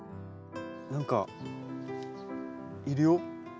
何かいるよ。